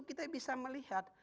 kita bisa melihat